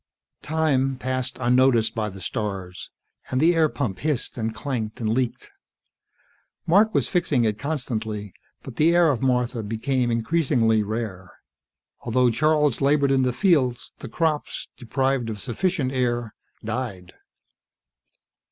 Time passed unnoticed by the stars, and the air pump hissed and clanked and leaked. Mark was fixing it constantly, but the air of Martha became increasingly rare. Although Charles labored in the fields, the crops, deprived of sufficient air, died.